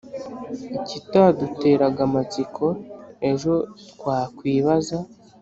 ikitaduteraga amatsiko, ejo twakwibaza